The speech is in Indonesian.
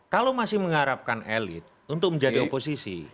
kalau masih mengharapkan elit untuk menjadi oposisi